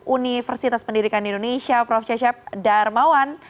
universitas pendidikan indonesia prof cecep darmawan